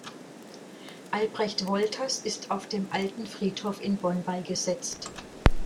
Albrecht Wolters ist auf dem Alten Friedhof in Bonn beigesetzt.